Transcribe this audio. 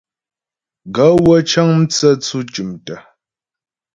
Gaê wə́ cə́ŋ mtsə́tsʉ̂ tʉ̀mtə̀.